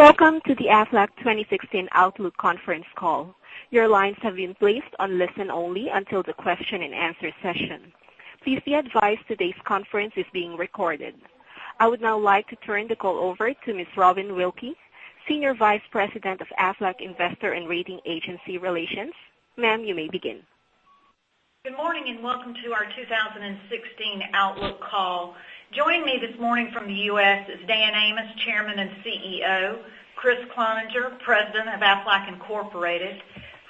Welcome to the Aflac 2016 Outlook Conference Call. Your lines have been placed on listen only until the question and answer session. Please be advised today's conference is being recorded. I would now like to turn the call over to Ms. Robin Wilkey, Senior Vice President of Aflac Investor and Rating Agency Relations. Ma'am, you may begin. Good morning, and welcome to our 2016 outlook call. Joining me this morning from the U.S. is Dan Amos, Chairman and CEO, Chris Cloninger, President of Aflac Incorporated,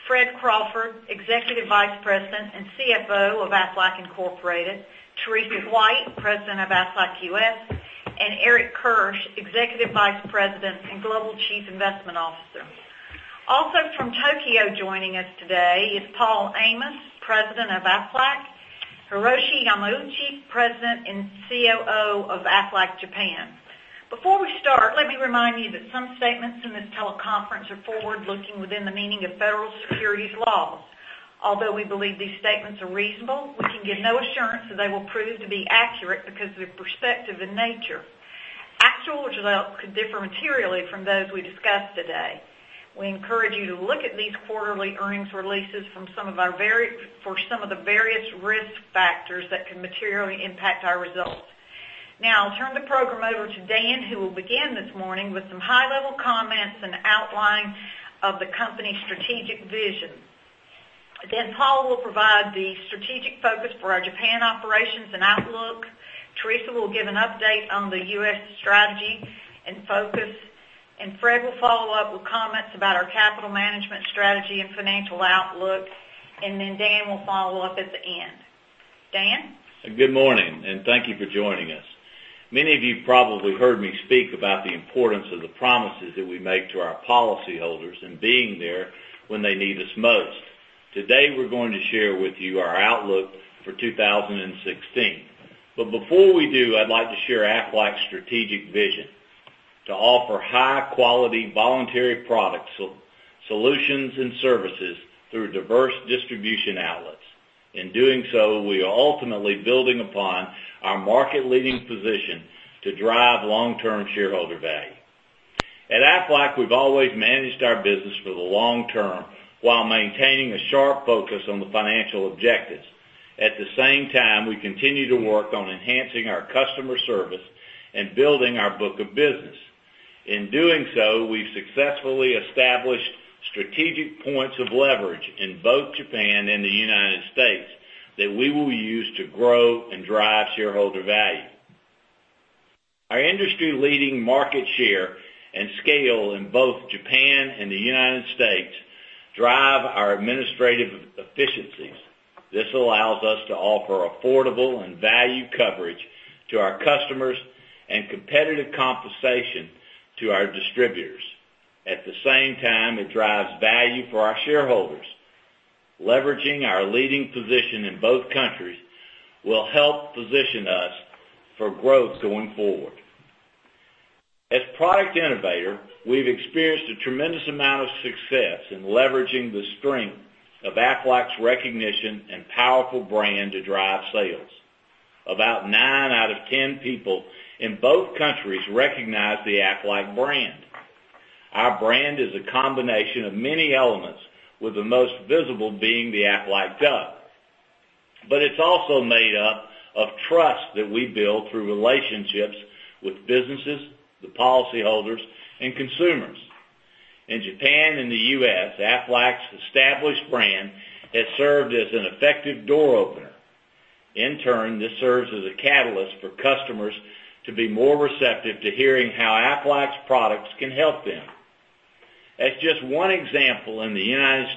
Fred Crawford, Executive Vice President and CFO of Aflac Incorporated, Teresa White, President of Aflac U.S., and Eric Kirsch, Executive Vice President and Global Chief Investment Officer. Also from Tokyo, joining us today is Paul Amos, President of Aflac, Hiroshi Yamauchi, President and COO of Aflac Japan. Before we start, let me remind you that some statements in this teleconference are forward-looking within the meaning of federal securities laws. Although we believe these statements are reasonable, we can give no assurance that they will prove to be accurate because they're prospective in nature. Actual results could differ materially from those we discuss today. We encourage you to look at these quarterly earnings releases for some of the various risk factors that can materially impact our results. Now, I'll turn the program over to Dan, who will begin this morning with some high-level comments and outline of the company's strategic vision. Paul will provide the strategic focus for our Japan operations and outlook. Teresa will give an update on the U.S. strategy and focus. Fred will follow up with comments about our capital management strategy and financial outlook. Dan will follow up at the end. Dan? Good morning, and thank you for joining us. Many of you probably heard me speak about the importance of the promises that we make to our policyholders and being there when they need us most. Today, we're going to share with you our outlook for 2016. Before we do, I'd like to share Aflac's Strategic Vision: to offer high-quality voluntary products, solutions, and services through diverse distribution outlets. In doing so, we are ultimately building upon our market-leading position to drive long-term shareholder value. At Aflac, we've always managed our business for the long term while maintaining a sharp focus on the financial objectives. At the same time, we continue to work on enhancing our customer service and building our book of business. In doing so, we've successfully established strategic points of leverage in both Japan and the U.S. that we will use to grow and drive shareholder value. Our industry-leading market share and scale in both Japan and the U.S. drive our administrative efficiencies. This allows us to offer affordable and value coverage to our customers and competitive compensation to our distributors. At the same time, it drives value for our shareholders. Leveraging our leading position in both countries will help position us for growth going forward. As product innovators, we've experienced a tremendous amount of success in leveraging the strength of Aflac's recognition and powerful brand to drive sales. About 9 out of 10 people in both countries recognize the Aflac brand. Our brand is a combination of many elements, with the most visible being the Aflac duck. It's also made up of trust that we build through relationships with businesses, the policyholders, and consumers. In Japan and the U.S., Aflac's established brand has served as an effective door-opener. In turn, this serves as a catalyst for customers to be more receptive to hearing how Aflac's products can help them. As just one example, in the U.S.,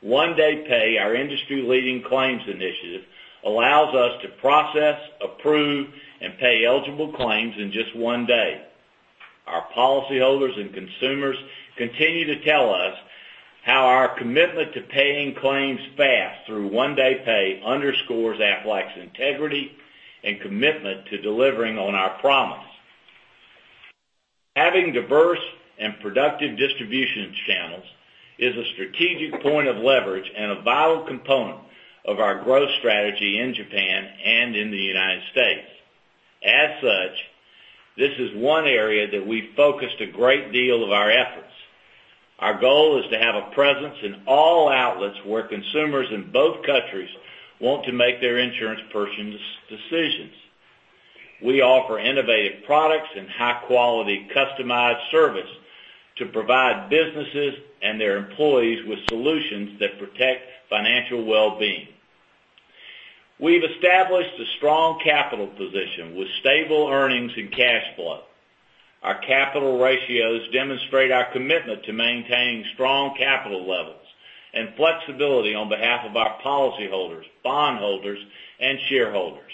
One Day Pay, our industry-leading claims initiative, allows us to process, approve, and pay eligible claims in just one day. Our policyholders and consumers continue to tell us how our commitment to paying claims fast through One Day Pay underscores Aflac's integrity and commitment to delivering on our promise. Having diverse and productive distribution channels is a strategic point of leverage and a vital component of our growth strategy in Japan and in the U.S. This is one area that we focused a great deal of our efforts. Our goal is to have a presence in all outlets where consumers in both countries want to make their insurance purchase decisions. We offer innovative products and high-quality customized service to provide businesses and their employees with solutions that protect financial well-being. We've established a strong capital position with stable earnings and cash flow. Our capital ratios demonstrate our commitment to maintaining strong capital levels and flexibility on behalf of our policyholders, bondholders, and shareholders.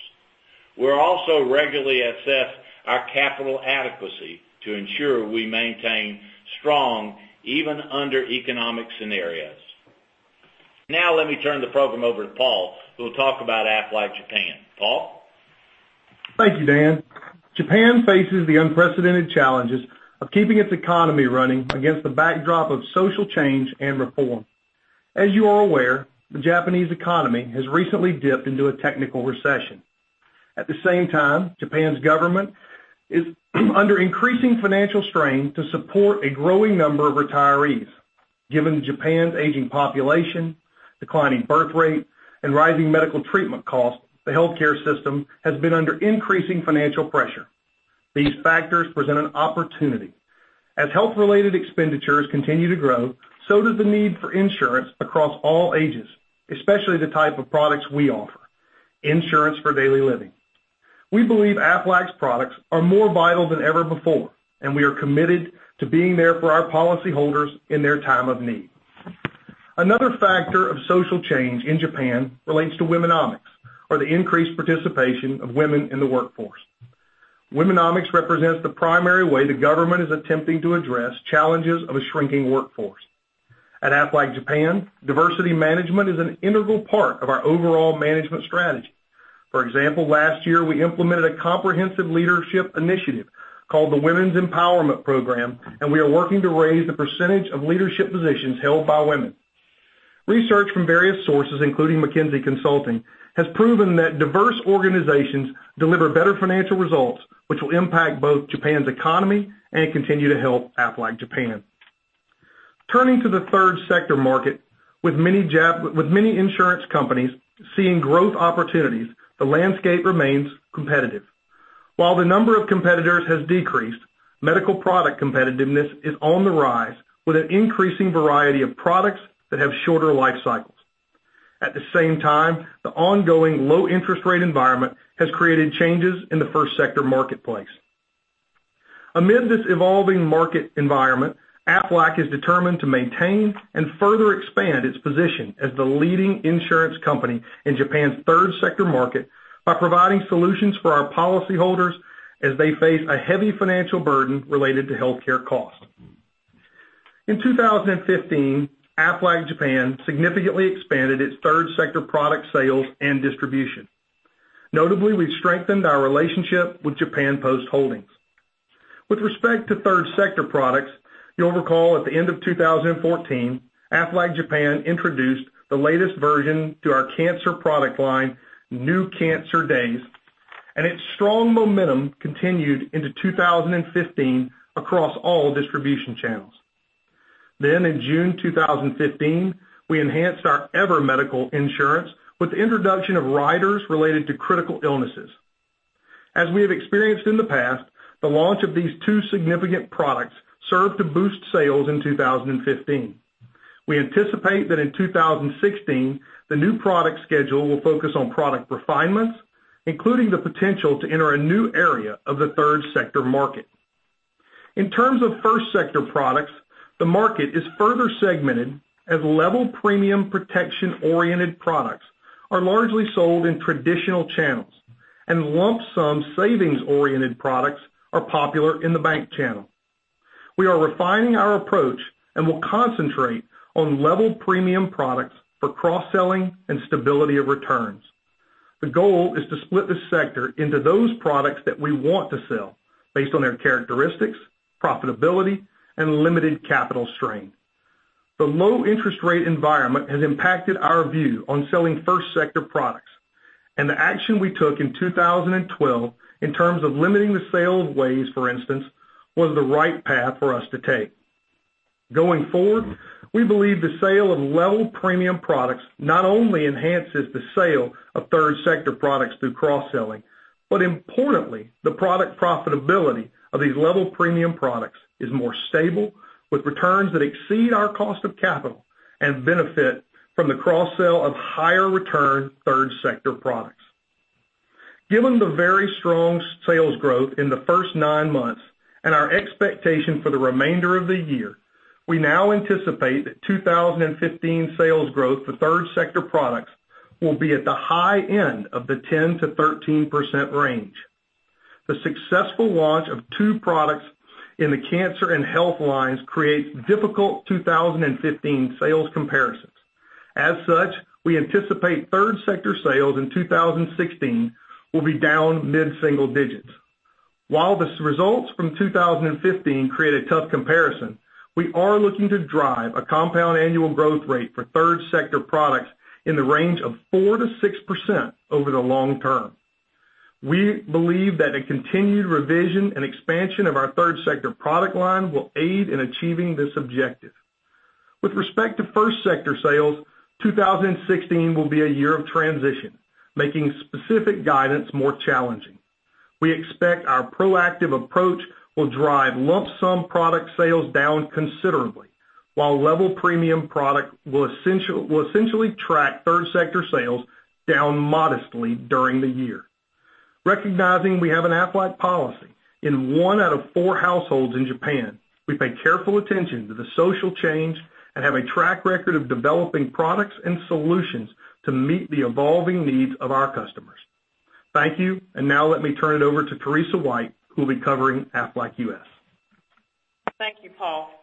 We also regularly assess our capital adequacy to ensure we maintain strong even under economic scenarios. Now, let me turn the program over to Paul, who will talk about Aflac Japan. Paul? Thank you, Dan. Japan faces the unprecedented challenges of keeping its economy running against the backdrop of social change and reform. As you are aware, the Japanese economy has recently dipped into a technical recession. At the same time, Japan's government is under increasing financial strain to support a growing number of retirees. Given Japan's aging population, declining birth rate, and rising medical treatment costs, the healthcare system has been under increasing financial pressure. These factors present an opportunity. As health-related expenditures continue to grow, so does the need for insurance across all ages, especially the type of products we offer, insurance for daily living. We believe Aflac's products are more vital than ever before, and we are committed to being there for our policyholders in their time of need. Another factor of social change in Japan relates to Womenomics, or the increased participation of women in the workforce. Womenomics represents the primary way the government is attempting to address challenges of a shrinking workforce. At Aflac Japan, diversity management is an integral part of our overall management strategy. For example, last year, we implemented a comprehensive leadership initiative called the Women's Empowerment Program, and we are working to raise the percentage of leadership positions held by women. Research from various sources, including McKinsey & Company, has proven that diverse organizations deliver better financial results, which will impact both Japan's economy and continue to help Aflac Japan. Turning to the third sector market, with many insurance companies seeing growth opportunities, the landscape remains competitive. While the number of competitors has decreased, medical product competitiveness is on the rise with an increasing variety of products that have shorter life cycles. At the same time, the ongoing low interest rate environment has created changes in the first sector marketplace. Amid this evolving market environment, Aflac is determined to maintain and further expand its position as the leading insurance company in Japan's third sector market by providing solutions for our policyholders as they face a heavy financial burden related to healthcare costs. In 2015, Aflac Japan significantly expanded its third sector product sales and distribution. Notably, we've strengthened our relationship with Japan Post Holdings. With respect to third sector products, you'll recall at the end of 2014, Aflac Japan introduced the latest version to our cancer product line, New Cancer DAYS, and its strong momentum continued into 2015 across all distribution channels. In June 2015, we enhanced our EVER Medical Insurance with the introduction of riders related to critical illnesses. As we have experienced in the past, the launch of these two significant products served to boost sales in 2015. We anticipate that in 2016, the new product schedule will focus on product refinements, including the potential to enter a new area of the third sector market. In terms of first sector products, the market is further segmented as level premium protection-oriented products are largely sold in traditional channels, and lump sum savings-oriented products are popular in the bank channel. We are refining our approach and will concentrate on level premium products for cross-selling and stability of returns. The goal is to split the sector into those products that we want to sell based on their characteristics, profitability, and limited capital strain. The low interest rate environment has impacted our view on selling first sector products, and the action we took in 2012 in terms of limiting the sale of WAYS, for instance, was the right path for us to take. Going forward, we believe the sale of level premium products not only enhances the sale of third sector products through cross-selling, but importantly, the product profitability of these level premium products is more stable with returns that exceed our cost of capital and benefit from the cross-sell of higher return third sector products. Given the very strong sales growth in the first nine months and our expectation for the remainder of the year, we now anticipate that 2015 sales growth for third sector products will be at the high end of the 10%-13% range. The successful launch of two products in the cancer and health lines creates difficult 2015 sales comparisons. As such, we anticipate third sector sales in 2016 will be down mid-single digits. While these results from 2015 create a tough comparison, we are looking to drive a compound annual growth rate for third sector products in the range of 4%-6% over the long term. We believe that a continued revision and expansion of our third sector product line will aid in achieving this objective. With respect to first sector sales, 2016 will be a year of transition, making specific guidance more challenging. We expect our proactive approach will drive lump sum product sales down considerably, while level premium product will essentially track third sector sales down modestly during the year. Recognizing we have an Aflac policy in one out of four households in Japan, we pay careful attention to the social change and have a track record of developing products and solutions to meet the evolving needs of our customers. Thank you. Now let me turn it over to Teresa White, who'll be covering Aflac U.S. Thank you, Paul Amos.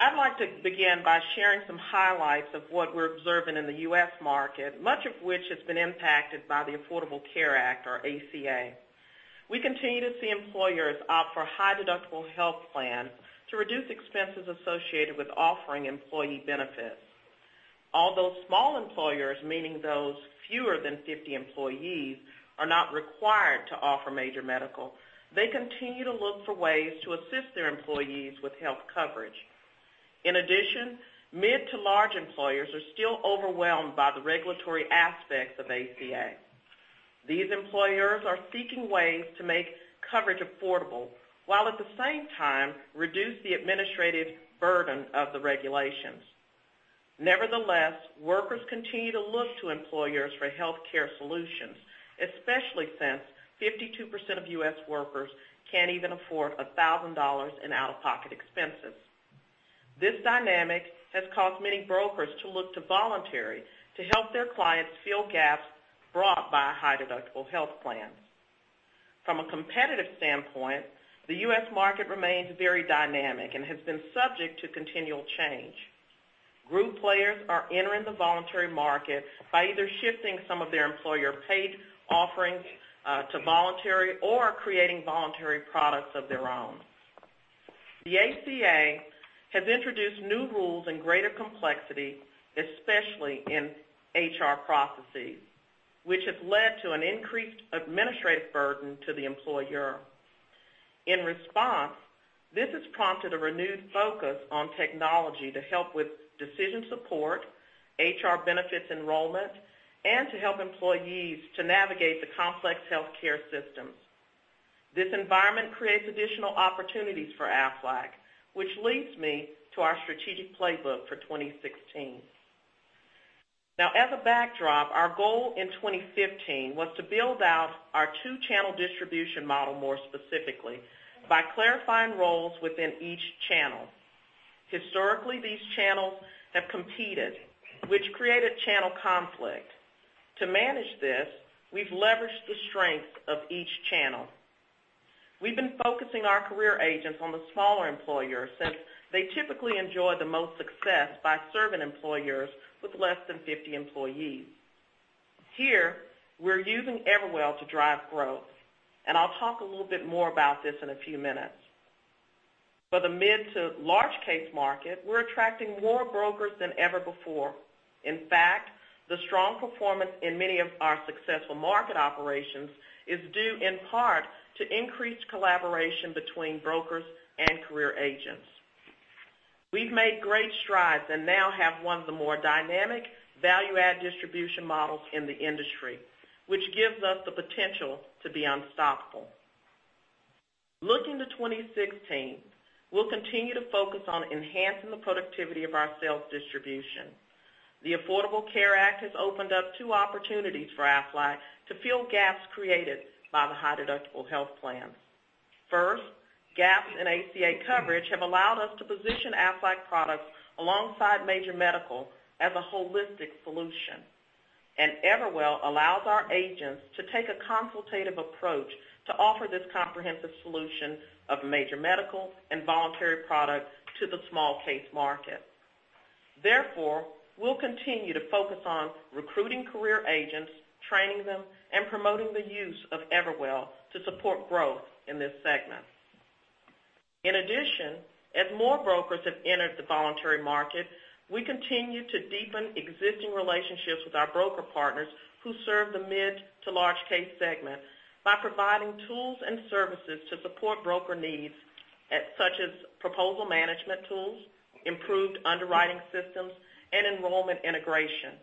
I'd like to begin by sharing some highlights of what we're observing in the U.S. market, much of which has been impacted by the Affordable Care Act or ACA. We continue to see employers opt for high deductible health plans to reduce expenses associated with offering employee benefits. Although small employers, meaning those fewer than 50 employees, are not required to offer major medical, they continue to look for ways to assist their employees with health coverage. In addition, mid to large employers are still overwhelmed by the regulatory aspects of ACA. These employers are seeking ways to make coverage affordable while at the same time reduce the administrative burden of the regulations. Nevertheless, workers continue to look to employers for healthcare solutions, especially since 52% of U.S. workers can't even afford $1,000 in out-of-pocket expenses. This dynamic has caused many brokers to look to voluntary to help their clients fill gaps brought by high deductible health plans. From a competitive standpoint, the U.S. market remains very dynamic and has been subject to continual change. Group players are entering the voluntary market by either shifting some of their employer paid offerings to voluntary or creating voluntary products of their own. The ACA has introduced new rules and greater complexity, especially in HR processes, which has led to an increased administrative burden to the employer. In response, this has prompted a renewed focus on technology to help with decision support, HR benefits enrollment, and to help employees to navigate the complex healthcare systems. This environment creates additional opportunities for Aflac, which leads me to our strategic playbook for 2016. As a backdrop, our goal in 2015 was to build out our two-channel distribution model more specifically by clarifying roles within each channel. Historically, these channels have competed, which created channel conflict. To manage this, we've leveraged the strength of each channel. We've been focusing our career agents on the smaller employers, since they typically enjoy the most success by serving employers with less than 50 employees. Here we're using Everwell to drive growth, and I'll talk a little bit more about this in a few minutes. For the mid to large case market, we're attracting more brokers than ever before. In fact, the strong performance in many of our successful market operations is due in part to increased collaboration between brokers and career agents. We've made great strides and now have one of the more dynamic value-add distribution models in the industry, which gives us the potential to be unstoppable. Looking to 2016, we'll continue to focus on enhancing the productivity of our sales distribution. The Affordable Care Act has opened up two opportunities for Aflac to fill gaps created by the high deductible health plans. First, gaps in ACA coverage have allowed us to position Aflac products alongside major medical as a holistic solution. Everwell allows our agents to take a consultative approach to offer this comprehensive solution of major medical and voluntary products to the small case market. Therefore, we'll continue to focus on recruiting career agents, training them, and promoting the use of Everwell to support growth in this segment. In addition, as more brokers have entered the voluntary market, we continue to deepen existing relationships with our broker partners who serve the mid to large case segment by providing tools and services to support broker needs, such as proposal management tools, improved underwriting systems and enrollment integration.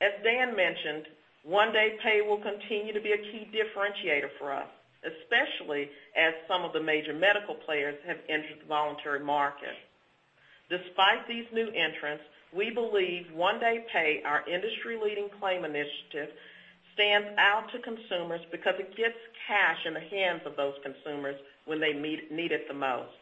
As Dan mentioned, One Day Pay will continue to be a key differentiator for us, especially as some of the major medical players have entered the voluntary market. Despite these new entrants, we believe One Day Pay, our industry-leading claim initiative, stands out to consumers because it gets cash in the hands of those consumers when they need it the most.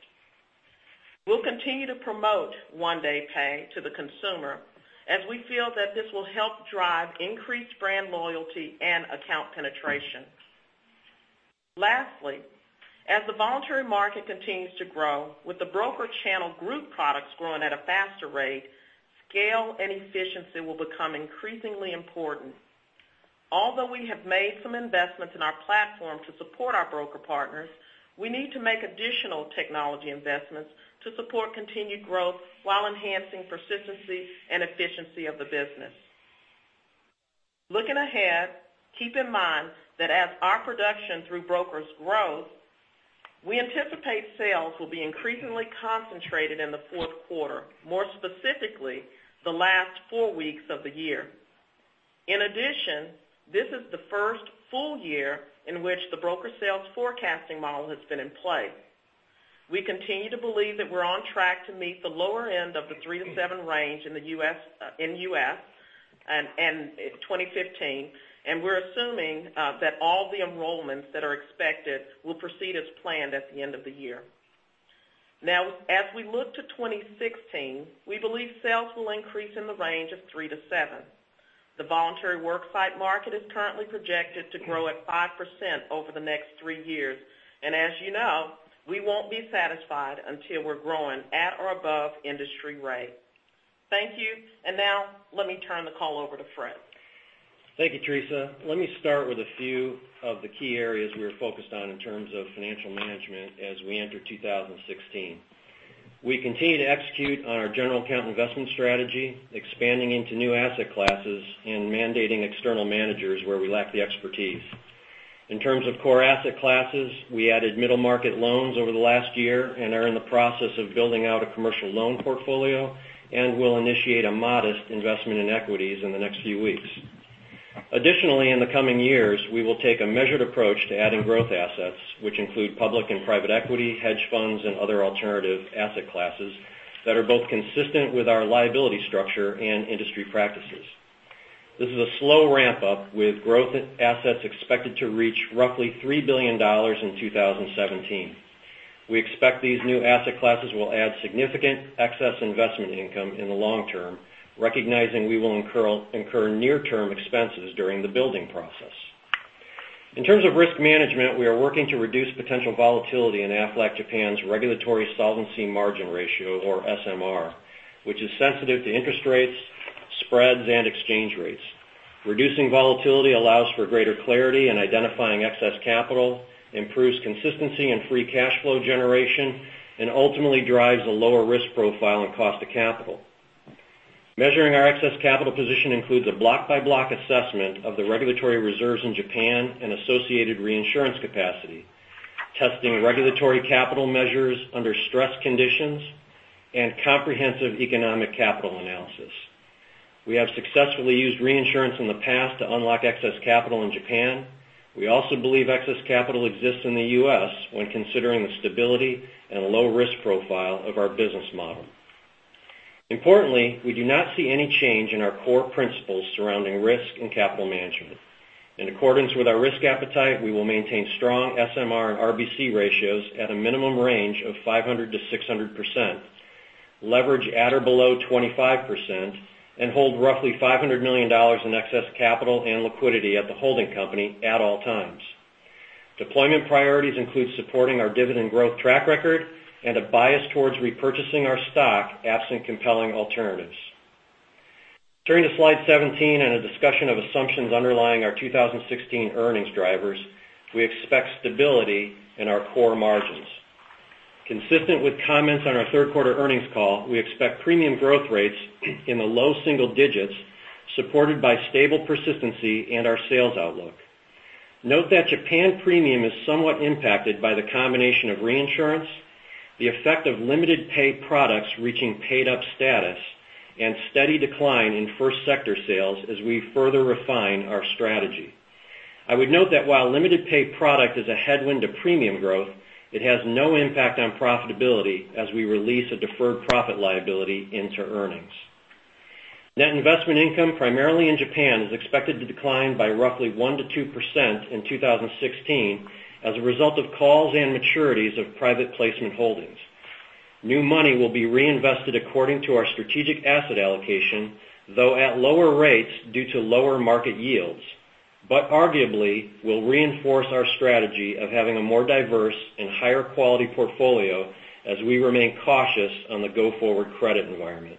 We'll continue to promote One Day Pay to the consumer as we feel that this will help drive increased brand loyalty and account penetration. Lastly, as the voluntary market continues to grow with the broker channel group products growing at a faster rate, scale and efficiency will become increasingly important. Although we have made some investments in our platform to support our broker partners, we need to make additional technology investments to support continued growth while enhancing persistency and efficiency of the business. Looking ahead, keep in mind that as our production through brokers grows, we anticipate sales will be increasingly concentrated in the fourth quarter, more specifically, the last four weeks of the year. In addition, this is the first full year in which the broker sales forecasting model has been in play. We continue to believe that we're on track to meet the lower end of the 3%-7% range in U.S. in 2015, and we're assuming that all the enrollments that are expected will proceed as planned at the end of the year. As we look to 2016, we believe sales will increase in the range of 3%-7%. The voluntary worksite market is currently projected to grow at 5% over the next three years, and as you know, we won't be satisfied until we're growing at or above industry rate. Thank you, and now let me turn the call over to Fred. Thank you, Teresa. Let me start with a few of the key areas we are focused on in terms of financial management as we enter 2016. We continue to execute on our general account investment strategy, expanding into new asset classes and mandating external managers where we lack the expertise. In terms of core asset classes, we added middle market loans over the last year and are in the process of building out a commercial loan portfolio and will initiate a modest investment in equities in the next few weeks. Additionally, in the coming years, we will take a measured approach to adding growth assets, which include public and private equity, hedge funds, and other alternative asset classes that are both consistent with our liability structure and industry practices. This is a slow ramp-up with growth assets expected to reach roughly $3 billion in 2017. We expect these new asset classes will add significant excess investment income in the long term, recognizing we will incur near-term expenses during the building process. In terms of risk management, we are working to reduce potential volatility in Aflac Japan's regulatory solvency margin ratio, or SMR, which is sensitive to interest rates, spreads, and exchange rates. Reducing volatility allows for greater clarity in identifying excess capital, improves consistency and free cash flow generation, and ultimately drives a lower risk profile and cost of capital. Measuring our excess capital position includes a block-by-block assessment of the regulatory reserves in Japan and associated reinsurance capacity, testing regulatory capital measures under stress conditions, and comprehensive economic capital analysis. We have successfully used reinsurance in the past to unlock excess capital in Japan. We also believe excess capital exists in the U.S. when considering the stability and low risk profile of our business model. Importantly, we do not see any change in our core principles surrounding risk and capital management. In accordance with our risk appetite, we will maintain strong SMR and RBC ratios at a minimum range of 500%-600%, leverage at or below 25%, and hold roughly $500 million in excess capital and liquidity at the holding company at all times. Deployment priorities include supporting our dividend growth track record and a bias towards repurchasing our stock absent compelling alternatives. Turning to slide 17 and a discussion of assumptions underlying our 2016 earnings drivers, we expect stability in our core margins. Consistent with comments on our third quarter earnings call, we expect premium growth rates in the low single digits, supported by stable persistency and our sales outlook. Note that Japan premium is somewhat impacted by the combination of reinsurance, the effect of limited pay products reaching paid-up status, and steady decline in first sector sales as we further refine our strategy. I would note that while limited pay product is a headwind to premium growth, it has no impact on profitability as we release a deferred profit liability into earnings. Net investment income, primarily in Japan, is expected to decline by roughly 1%-2% in 2016 as a result of calls and maturities of private placement holdings. New money will be reinvested according to our strategic asset allocation, though at lower rates due to lower market yields. Arguably, will reinforce our strategy of having a more diverse and higher quality portfolio as we remain cautious on the go-forward credit environment.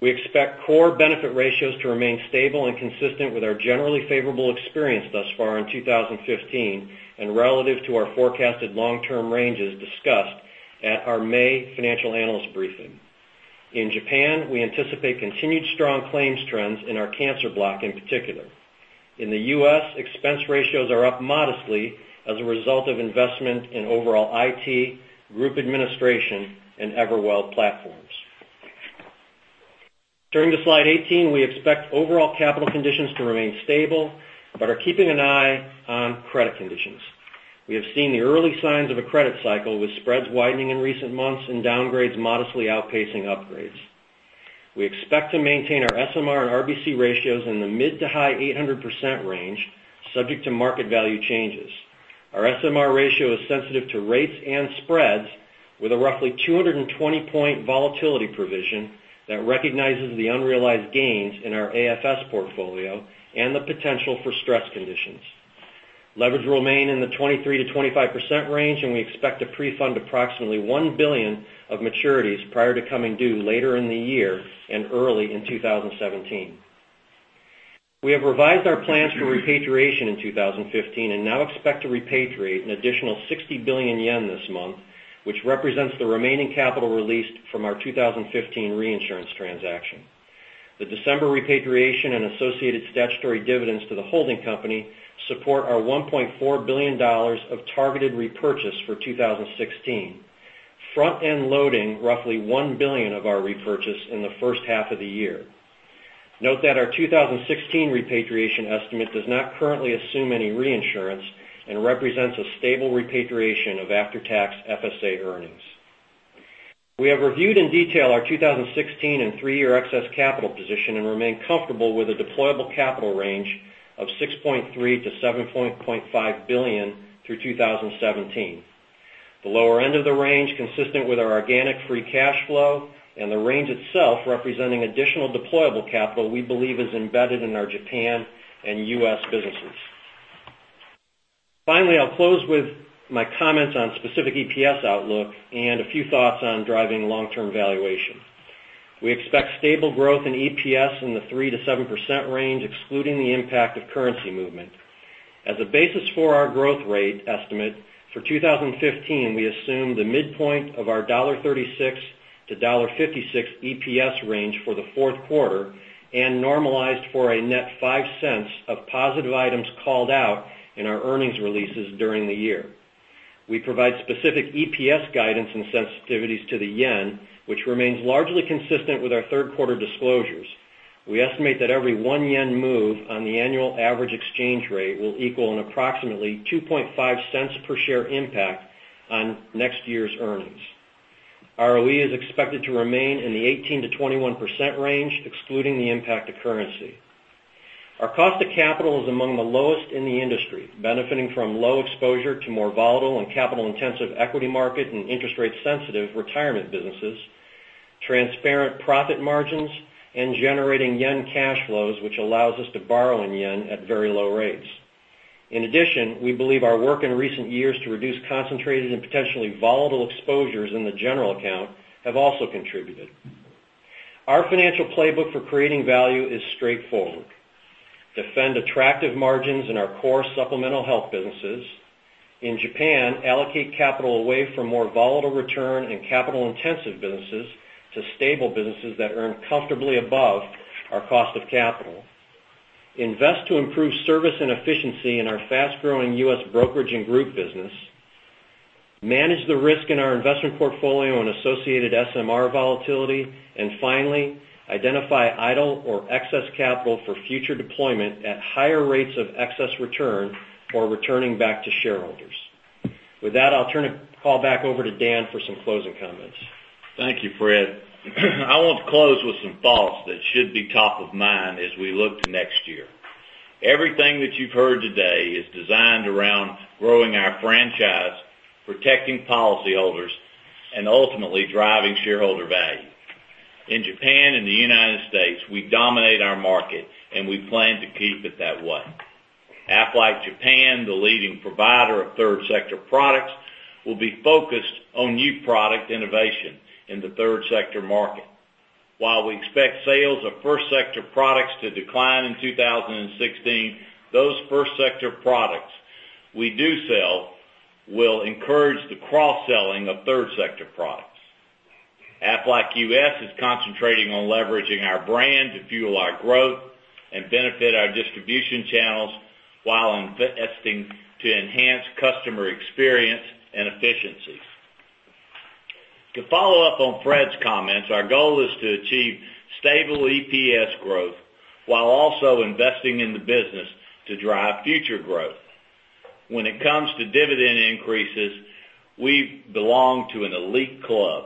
We expect core benefit ratios to remain stable and consistent with our generally favorable experience thus far in 2015, and relative to our forecasted long-term ranges discussed at our May financial analyst briefing. In Japan, we anticipate continued strong claims trends in our cancer block in particular. In the U.S., expense ratios are up modestly as a result of investment in overall IT, group administration, and Everwell platforms. Turning to slide 18, we expect overall capital conditions to remain stable, are keeping an eye on credit conditions. We have seen the early signs of a credit cycle, with spreads widening in recent months and downgrades modestly outpacing upgrades. We expect to maintain our SMR and RBC ratios in the mid to high 800% range, subject to market value changes. Our SMR ratio is sensitive to rates and spreads, with a roughly 220-point volatility provision that recognizes the unrealized gains in our AFS portfolio and the potential for stress conditions. Leverage will remain in the 23%-25% range, and we expect to prefund approximately 1 billion of maturities prior to coming due later in the year and early in 2017. We have revised our plans for repatriation in 2015 and now expect to repatriate an additional 60 billion yen this month, which represents the remaining capital released from our 2015 reinsurance transaction. The December repatriation and associated statutory dividends to the holding company support our $1.4 billion of targeted repurchase for 2016, front-end loading roughly 1 billion of our repurchase in the first half of the year. Note that our 2016 repatriation estimate does not currently assume any reinsurance and represents a stable repatriation of after-tax FSA earnings. We have reviewed in detail our 2016 and three-year excess capital position and remain comfortable with a deployable capital range of $6.3 billion-$7.5 billion through 2017. The lower end of the range, consistent with our organic free cash flow, and the range itself representing additional deployable capital we believe is embedded in our Japan and U.S. businesses. Finally, I'll close with my comments on specific EPS outlook and a few thoughts on driving long-term valuation. We expect stable growth in EPS in the 3%-7% range, excluding the impact of currency movement. As a basis for our growth rate estimate, for 2015, we assume the midpoint of our $1.36-$1.56 EPS range for the fourth quarter and normalized for a net $0.05 of positive items called out in our earnings releases during the year. We provide specific EPS guidance and sensitivities to the yen, which remains largely consistent with our third quarter disclosures. We estimate that every one yen move on the annual average exchange rate will equal an approximately $0.025 per share impact on next year's earnings. ROE is expected to remain in the 18%-21% range, excluding the impact of currency. Our cost of capital is among the lowest in the industry, benefiting from low exposure to more volatile and capital-intensive equity market and interest rate sensitive retirement businesses, transparent profit margins, and generating yen cash flows, which allows us to borrow in yen at very low rates. In addition, we believe our work in recent years to reduce concentrated and potentially volatile exposures in the general account have also contributed. Our financial playbook for creating value is straightforward. Defend attractive margins in our core supplemental health businesses. In Japan, allocate capital away from more volatile return and capital-intensive businesses to stable businesses that earn comfortably above our cost of capital. Invest to improve service and efficiency in our fast-growing U.S. brokerage and group business. Manage the risk in our investment portfolio on associated SMR volatility. Finally, identify idle or excess capital for future deployment at higher rates of excess return or returning back to shareholders. With that, I'll turn the call back over to Dan for some closing comments. Thank you, Fred. I want to close with some thoughts that should be top of mind as we look to next year. Everything that you've heard today is designed around growing our franchise, protecting policyholders, and ultimately driving shareholder value. In Japan and the United States, we dominate our market, and we plan to keep it that way. Aflac Japan, the leading provider of third sector products, will be focused on new product innovation in the third sector market. While we expect sales of first sector products to decline in 2016, those first sector products we do sell will encourage the cross-selling of third sector products. Aflac U.S. is concentrating on leveraging our brand to fuel our growth and benefit our distribution channels while investing to enhance customer experience and efficiencies. To follow up on Fred's comments, our goal is to achieve stable EPS growth while also investing in the business to drive future growth. When it comes to dividend increases, we belong to an elite club.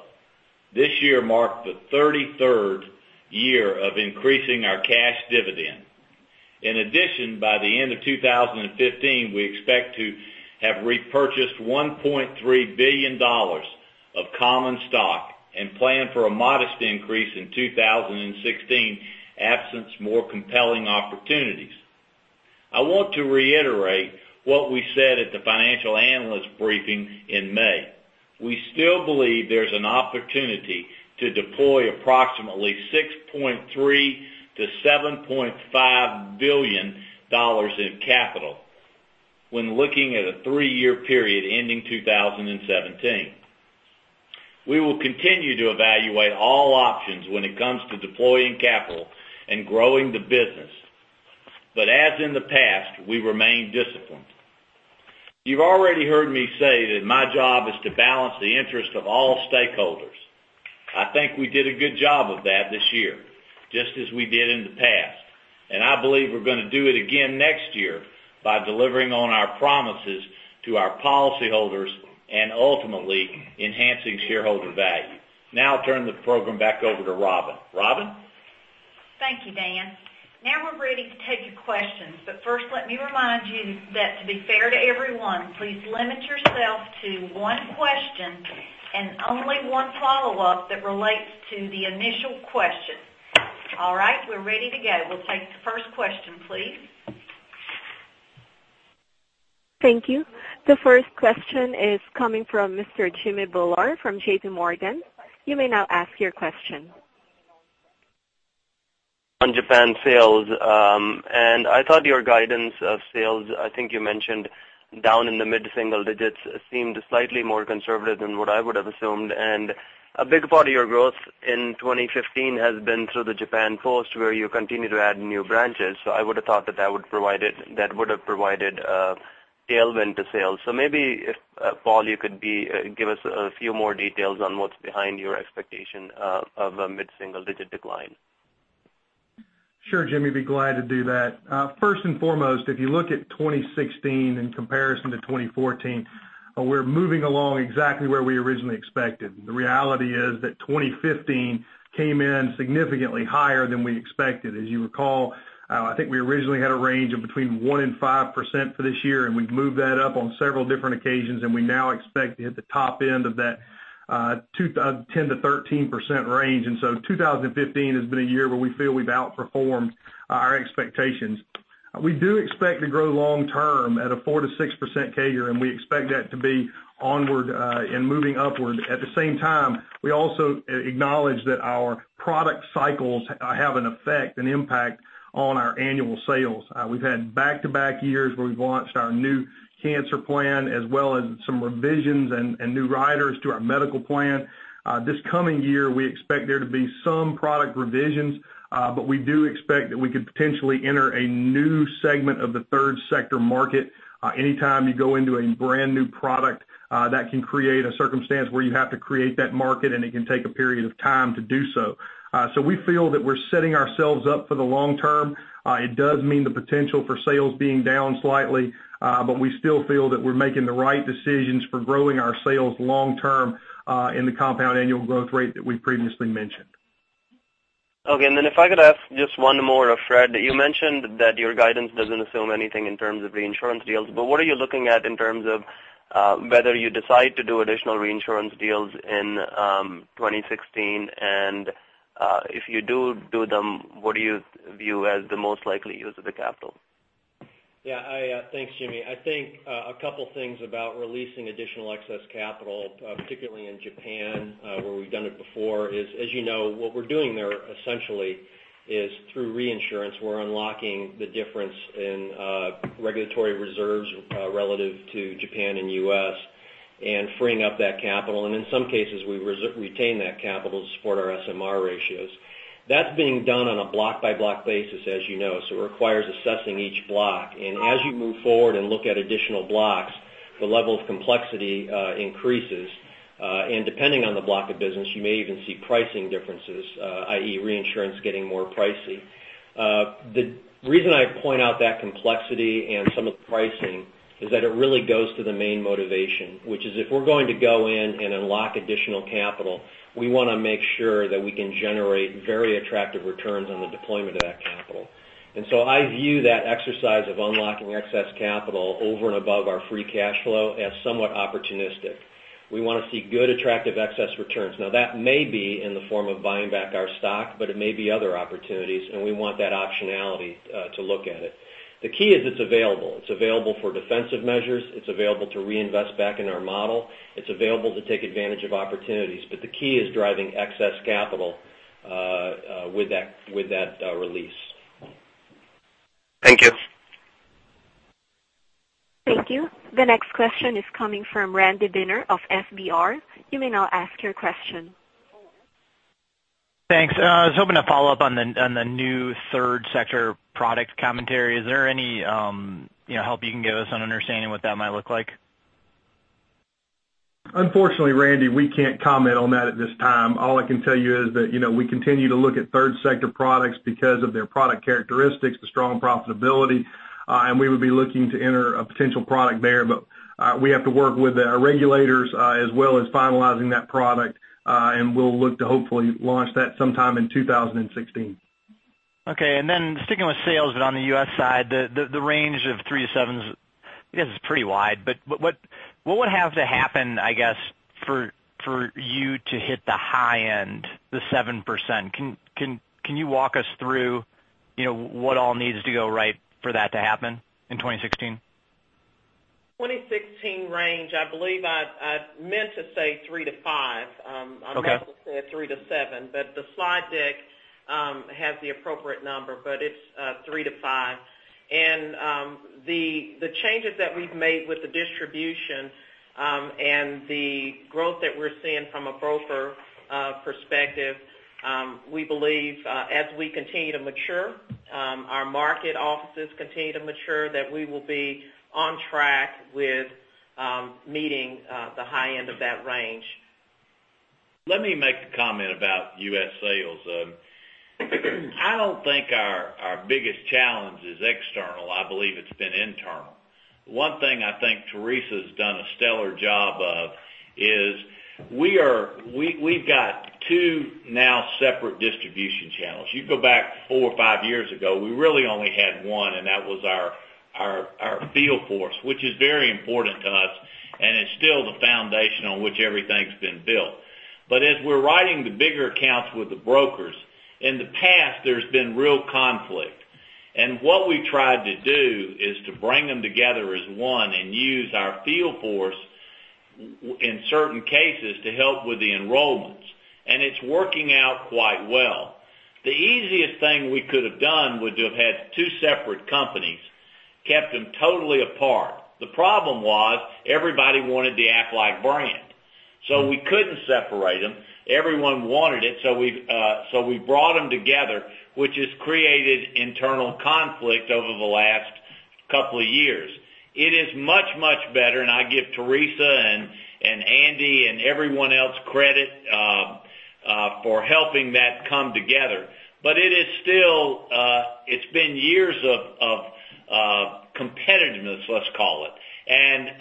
This year marked the 33rd year of increasing our cash dividend. In addition, by the end of 2015, we expect to have repurchased $1.3 billion of common stock and plan for a modest increase in 2016, absence more compelling opportunities. I want to reiterate what we said at the financial analyst briefing in May. We still believe there's an opportunity to deploy approximately $6.3 billion-$7.5 billion in capital when looking at a three-year period ending 2017. We will continue to evaluate all options when it comes to deploying capital and growing the business. As in the past, we remain disciplined. I've already heard me say that my job is to balance the interest of all stakeholders. I think we did a good job of that this year, just as we did in the past, and I believe we're going to do it again next year by delivering on our promises to our policyholders and ultimately enhancing shareholder value. I'll turn the program back over to Robin. Robin? Thank you, Dan. We're ready to take your questions. First, let me remind you that to be fair to everyone, please limit yourself to one question and only one follow-up that relates to the initial question. All right, we're ready to go. We'll take the first question, please. Thank you. The first question is coming from Mr. Jimmy Bhullar from JPMorgan. You may now ask your question. On Japan sales, and I thought your guidance of sales, I think you mentioned down in the mid-single-digits seemed slightly more conservative than what I would have assumed. A big part of your growth in 2015 has been through the Japan Post, where you continue to add new branches. I would have thought that that would have provided a tailwind to sales. Maybe if, Paul, you could give us a few more details on what's behind your expectation of a mid-single-digit decline. Sure, Jimmy, be glad to do that. First and foremost, if you look at 2016 in comparison to 2014, we're moving along exactly where we originally expected. The reality is that 2015 came in significantly higher than we expected. As you recall, I think we originally had a range of between 1% and 5% for this year, and we've moved that up on several different occasions, and we now expect to hit the top end of that to 10% to 13% range. 2015 has been a year where we feel we've outperformed our expectations. We do expect to grow long-term at a 4%-6% CAGR, and we expect that to be onward and moving upward. At the same time, we also acknowledge that our product cycles have an effect and impact on our annual sales. We've had back-to-back years where we've launched our new cancer plan, as well as some revisions and new riders to our medical plan. This coming year, we expect there to be some product revisions, we do expect that we could potentially enter a new segment of the third sector market. Anytime you go into a brand-new product, that can create a circumstance where you have to create that market, and it can take a period of time to do so. We feel that we're setting ourselves up for the long term. It does mean the potential for sales being down slightly, we still feel that we're making the right decisions for growing our sales long term in the compound annual growth rate that we previously mentioned. Okay. If I could ask just one more of Fred. You mentioned that your guidance doesn't assume anything in terms of reinsurance deals, what are you looking at in terms of whether you decide to do additional reinsurance deals in 2016? If you do do them, what do you view as the most likely use of the capital? Yeah. Thanks, Jimmy. I think a couple things about releasing additional excess capital, particularly in Japan where we've done it before, is as you know, what we're doing there essentially is through reinsurance, we're unlocking the difference in regulatory reserves relative to Japan and U.S. and freeing up that capital. In some cases, we retain that capital to support our SMR ratios. That's being done on a block-by-block basis, as you know, so it requires assessing each block. As you move forward and look at additional blocks, the level of complexity increases. Depending on the block of business, you may even see pricing differences, i.e., reinsurance getting more pricey. The reason I point out that complexity and some of the pricing is that it really goes to the main motivation, which is if we're going to go in and unlock additional capital, we want to make sure that we can generate very attractive returns on the deployment of that capital. I view that exercise of unlocking excess capital over and above our free cash flow as somewhat opportunistic. We want to see good, attractive excess returns. Now, that may be in the form of buying back our stock, it may be other opportunities, and we want that optionality to look at it. The key is it's available. It's available for defensive measures. It's available to reinvest back in our model. It's available to take advantage of opportunities. The key is driving excess capital with that release. Thank you. Thank you. The next question is coming from Randy Binner of FBR. You may now ask your question. Thanks. I was hoping to follow up on the new third sector product commentary. Is there any help you can give us on understanding what that might look like? Unfortunately, Randy, we can't comment on that at this time. All I can tell you is that we continue to look at third sector products because of their product characteristics, the strong profitability, and we would be looking to enter a potential product there, but we have to work with our regulators as well as finalizing that product. We'll look to hopefully launch that sometime in 2016. Okay. Sticking with sales, on the U.S. side, the range of three to seven, I guess, is pretty wide, what would have to happen, I guess, for you to hit the high end, the 7%? Can you walk us through what all needs to go right for that to happen in 2016? 2016 range, I believe I meant to say three to five. Okay. I mustn't have said 3 to 7, but the slide deck has the appropriate number, but it's 3 to 5. The changes that we've made with the distribution, and the growth that we're seeing from a broker perspective, we believe as we continue to mature, our market offices continue to mature, that we will be on track with meeting the high end of that range. Let me make a comment about U.S. sales. I don't think our biggest challenge is external. I believe it's been internal. One thing I think Teresa's done a stellar job of is we've got two now separate distribution channels. You go back 4 or 5 years ago, we really only had one, and that was our field force, which is very important to us, and it's still the foundation on which everything's been built. As we're writing the bigger accounts with the brokers, in the past, there's been real conflict, and what we tried to do is to bring them together as one and use our field force, in certain cases, to help with the enrollments, and it's working out quite well. The easiest thing we could have done would to have had two separate companies, kept them totally apart. The problem was everybody wanted the Aflac brand, we couldn't separate them. Everyone wanted it, we brought them together, which has created internal conflict over the last couple of years. It is much, much better, and I give Teresa and Andy and everyone else credit for helping that come together. It is still, it's been years of competitiveness, let's call it.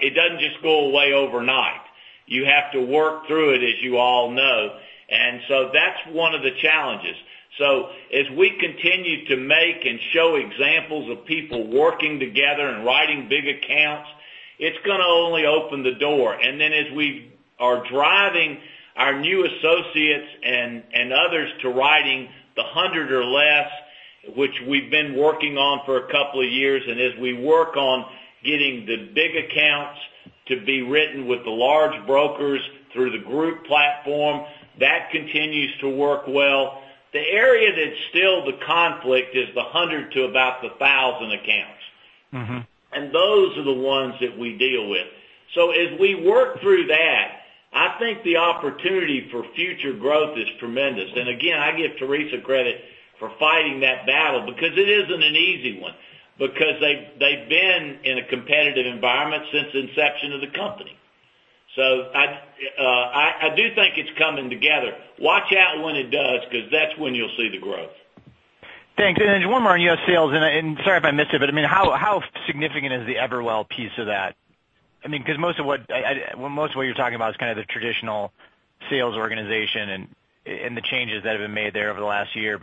It doesn't just go away overnight. You have to work through it, as you all know. That's one of the challenges. As we continue to make and show examples of people working together and writing big accounts, it's going to only open the door. As we are driving our new associates and others to writing the 100 or less, which we've been working on for a couple of years, as we work on getting the big accounts to be written with the large brokers through the group platform, that continues to work well. The area that's still the conflict is the 100 to about the 1,000 accounts. Those are the ones that we deal with. As we work through that, I think the opportunity for future growth is tremendous. Again, I give Teresa credit for fighting that battle because it isn't an easy one because they've been in a competitive environment since inception of the company. I do think it's coming together. Watch out when it does, because that's when you'll see the growth. Thanks. Just one more on U.S. sales, and sorry if I missed it, but how significant is the Everwell piece of that? Because most of what you're talking about is kind of the traditional sales organization and the changes that have been made there over the last year.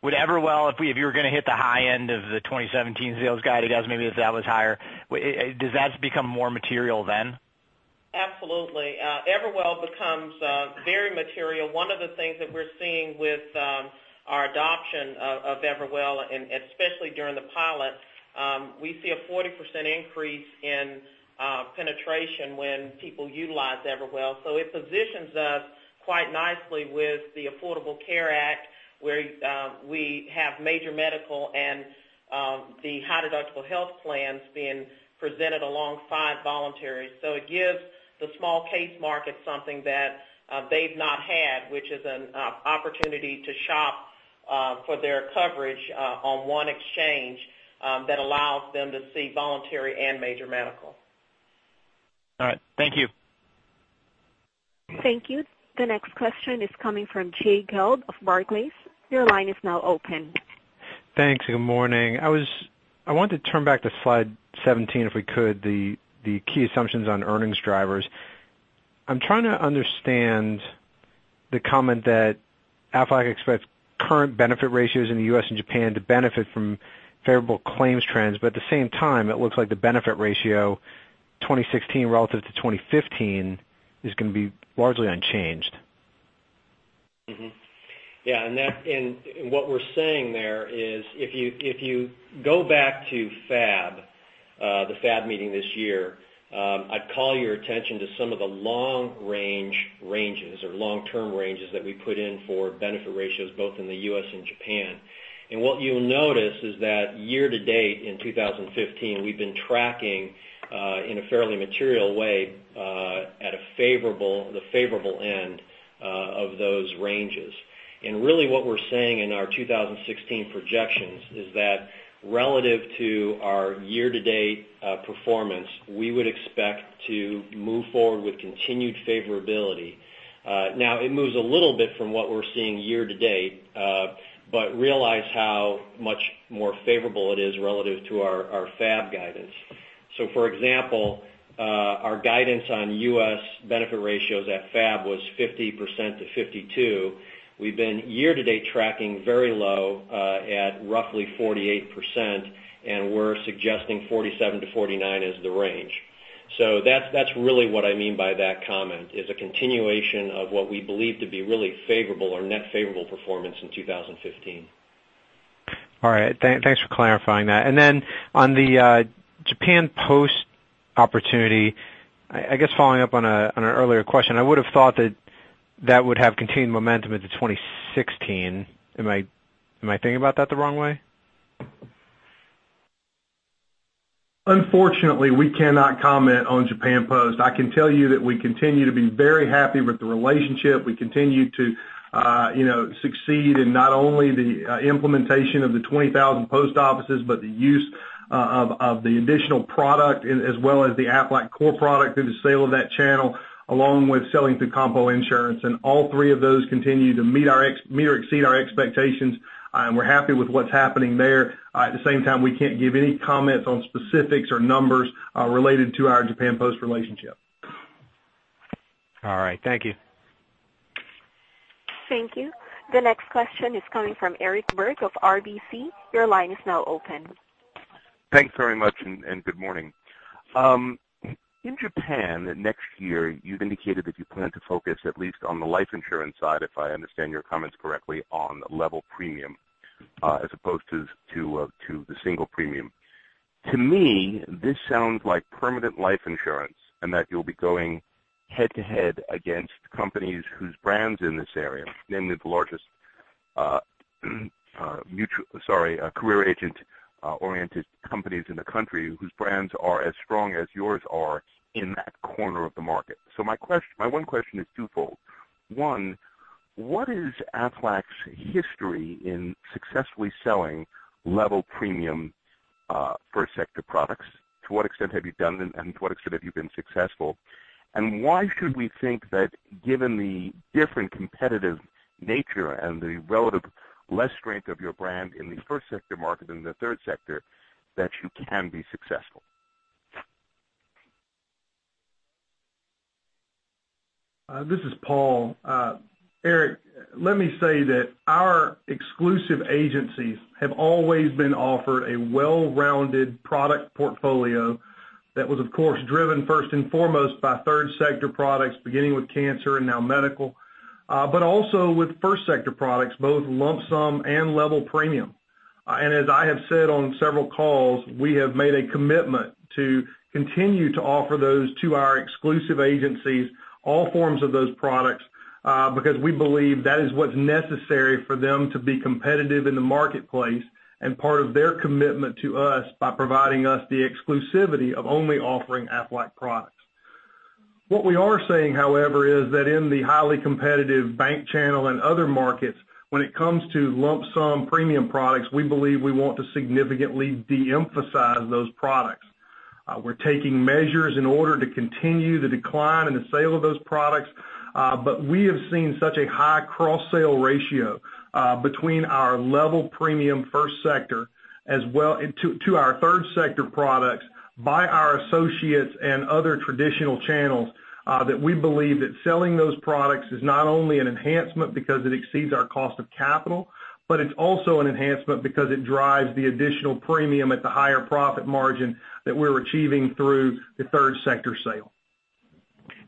Would Everwell, if you were going to hit the high end of the 2017 sales guide, it does maybe if that was higher, does that become more material then? Absolutely. Everwell becomes very material. One of the things that we're seeing with our adoption of Everwell, and especially during the pilot, we see a 40% increase in penetration when people utilize Everwell. It positions us quite nicely with the Affordable Care Act, where we have major medical and the high deductible health plans being presented alongside voluntary. It gives the small case market something that they've not had, which is an opportunity to shop for their coverage on one exchange that allows them to see voluntary and major medical. All right. Thank you. Thank you. The next question is coming from Jay Gelb of Barclays. Your line is now open. Thanks, good morning. I want to turn back to slide 17, if we could, the key assumptions on earnings drivers. I'm trying to understand the comment that Aflac expects current benefit ratios in the U.S. and Japan to benefit from favorable claims trends, but at the same time, it looks like the benefit ratio 2016 relative to 2015 is going to be largely unchanged. Yeah, what we're saying there is if you go back to FAB, the FAB meeting this year, I'd call your attention to some of the long range ranges or long-term ranges that we put in for benefit ratios, both in the U.S. and Japan. What you'll notice is that year to date in 2015, we've been tracking in a fairly material way at the favorable end of those ranges. Really what we're saying in our 2016 projections is that relative to our year-to-date performance, we would expect to move forward with continued favorability. Now it moves a little bit from what we're seeing year to date, but realize how much more favorable it is relative to our FAB guidance. For example, our guidance on U.S. benefit ratios at FAB was 50%-52%. We've been year to date tracking very low at roughly 48%, and we're suggesting 47%-49% as the range. That's really what I mean by that comment, is a continuation of what we believe to be really favorable or net favorable performance in 2015. All right. Thanks for clarifying that. On the Japan Post opportunity, I guess following up on an earlier question, I would have thought that that would have continued momentum into 2016. Am I thinking about that the wrong way? Unfortunately, we cannot comment on Japan Post. I can tell you that we continue to be very happy with the relationship. We continue to succeed in not only the implementation of the 20,000 post offices, but the use of the additional product as well as the Aflac core product through the sale of that channel, along with selling through combo insurance. All three of those continue to meet or exceed our expectations, and we're happy with what's happening there. At the same time, we can't give any comments on specifics or numbers related to our Japan Post relationship. All right. Thank you. Thank you. The next question is coming from Eric Berg of RBC. Your line is now open. Thanks very much, and good morning. In Japan next year, you've indicated that you plan to focus at least on the life insurance side, if I understand your comments correctly, on level premium as opposed to the single premium. To me, this sounds like permanent life insurance and that you'll be going head to head against companies whose brands in this area, namely the largest career agent-oriented companies in the country, whose brands are as strong as yours are in that corner of the market. My one question is twofold. One, what is Aflac's history in successfully selling level premium first sector products? To what extent have you done them, and to what extent have you been successful? Why should we think that given the different competitive nature and the relative less strength of your brand in the first sector market than the third sector, that you can be successful? This is Paul. Eric, let me say that our exclusive agencies have always been offered a well-rounded product portfolio that was, of course, driven first and foremost by third sector products, beginning with cancer and now medical, but also with first sector products, both lump sum and level premium. As I have said on several calls, we have made a commitment to continue to offer those to our exclusive agencies, all forms of those products, because we believe that is what's necessary for them to be competitive in the marketplace and part of their commitment to us by providing us the exclusivity of only offering Aflac products. What we are saying, however, is that in the highly competitive bank channel and other markets, when it comes to lump sum premium products, we believe we want to significantly de-emphasize those products. We're taking measures in order to continue the decline in the sale of those products. We have seen such a high cross-sale ratio between our level premium first sector to our third sector products by our associates and other traditional channels, that we believe that selling those products is not only an enhancement because it exceeds our cost of capital, but it's also an enhancement because it drives the additional premium at the higher profit margin that we're achieving through the third sector sale.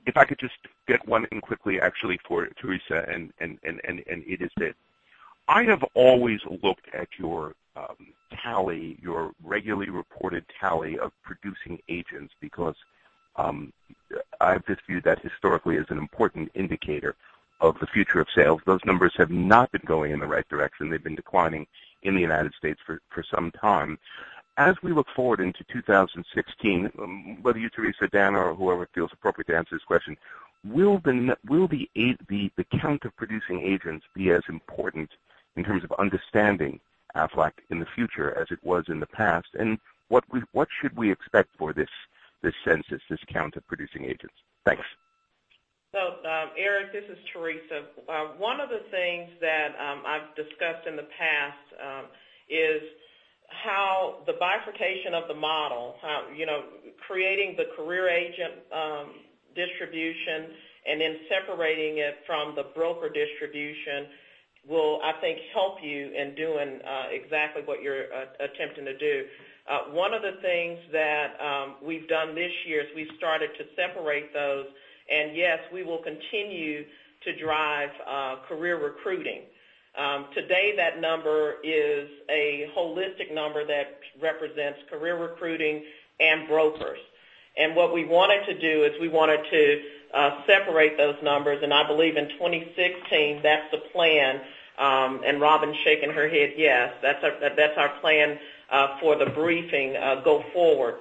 If I could just get one in quickly, actually, for Teresa, and it is this. I have always looked at your regularly reported tally of producing agents because I've just viewed that historically as an important indicator of the future of sales. Those numbers have not been going in the right direction. They've been declining in the United States for some time. As we look forward into 2016, whether you, Teresa, Dan, or whoever feels appropriate to answer this question, will the count of producing agents be as important in terms of understanding Aflac in the future as it was in the past? What should we expect for this census, this count of producing agents? Thanks. Eric, this is Teresa. One of the things that I've discussed in the past is how the bifurcation of the model, creating the career agent distribution and then separating it from the broker distribution will, I think, help you in doing exactly what you're attempting to do. One of the things that we've done this year is we've started to separate those. Yes, we will continue to drive career recruiting. Today, that number is a holistic number that represents career recruiting and brokers. What we wanted to do is we wanted to separate those numbers, and I believe in 2016, that's the plan. Robin's shaking her head yes. That's our plan for the briefing go forward.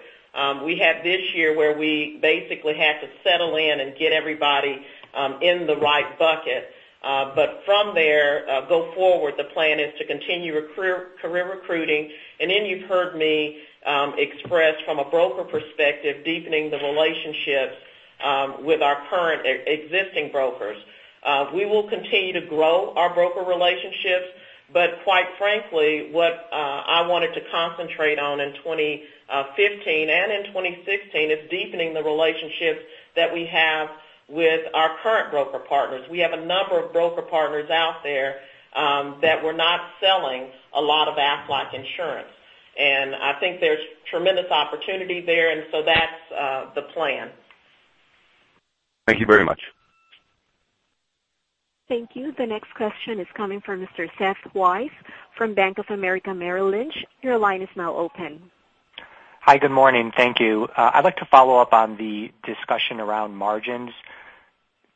We had this year where we basically had to settle in and get everybody in the right bucket. From there, go forward, the plan is to continue career recruiting. You've heard me express from a broker perspective, deepening the relationships with our current existing brokers. We will continue to grow our broker relationships, but quite frankly, what I wanted to concentrate on in 2015 and in 2016 is deepening the relationships that we have with our current broker partners. We have a number of broker partners out there that we're not selling a lot of Aflac insurance. I think there's tremendous opportunity there, that's the plan. Thank you very much. Thank you. The next question is coming from Mr. Seth Weiss from Bank of America Merrill Lynch. Your line is now open. Hi, good morning. Thank you. I'd like to follow up on the discussion around margins.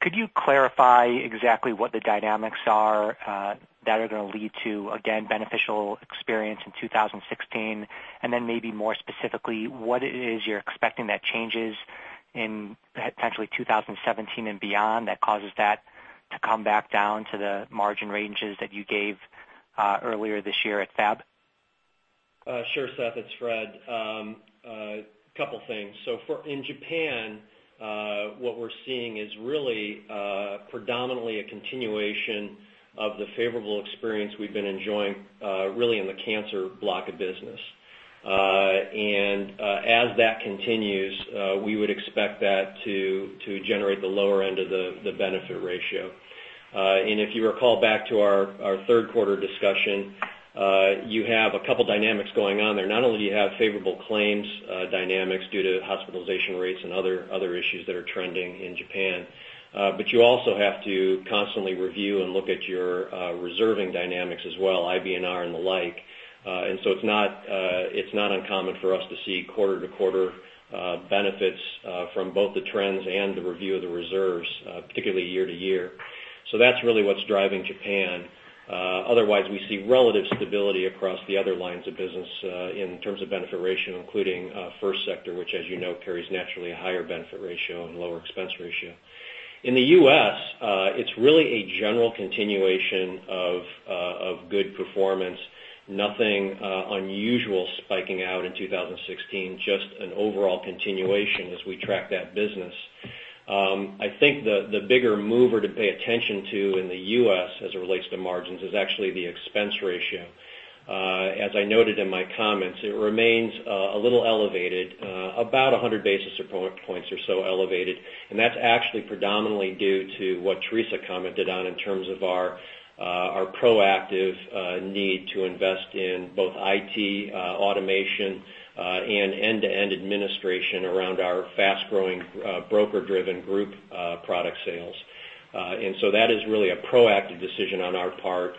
Could you clarify exactly what the dynamics are that are going to lead to, again, beneficial experience in 2016? Maybe more specifically, what it is you're expecting that changes in potentially 2017 and beyond that causes that to come back down to the margin ranges that you gave earlier this year at FAB? Sure, Seth, it's Fred. A couple things. In Japan, what we're seeing is really predominantly a continuation of the favorable experience we've been enjoying really in the cancer block of business. As that continues, we would expect that to generate the lower end of the benefit ratio. If you recall back to our third quarter discussion, you have a couple dynamics going on there. Not only do you have favorable claims dynamics due to hospitalization rates and other issues that are trending in Japan, you also have to constantly review and look at your reserving dynamics as well, IBNR and the like. It's not uncommon for us to see quarter-to-quarter benefits from both the trends and the review of the reserves, particularly year to year. That's really what's driving Japan. Otherwise, we see relative stability across the other lines of business in terms of benefit ratio, including first sector, which as you know, carries naturally a higher benefit ratio and lower expense ratio. In the U.S., it's really a general continuation of good performance. Nothing unusual spiking out in 2016, just an overall continuation as we track that business. I think the bigger mover to pay attention to in the U.S. as it relates to margins is actually the expense ratio. As I noted in my comments, it remains a little elevated, about 100 basis points or so elevated. That's actually predominantly due to what Teresa commented on in terms of our proactive need to invest in both IT, automation, and end-to-end administration around our fast-growing broker-driven group product sales. That is really a proactive decision on our part,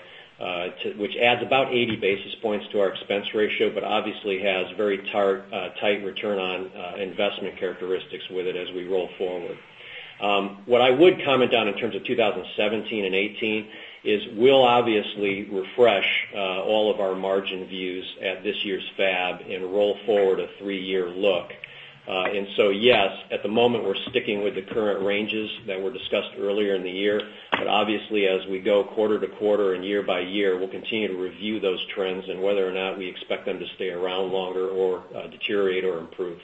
which adds about 80 basis points to our expense ratio, but obviously has very tight return on investment characteristics with it as we roll forward. What I would comment on in terms of 2017 and 2018 is we'll obviously refresh all of our margin views at this year's FAB and roll forward a three-year look. Yes, at the moment, we're sticking with the current ranges that were discussed earlier in the year. Obviously, as we go quarter-to-quarter and year-by-year, we'll continue to review those trends and whether or not we expect them to stay around longer or deteriorate or improve.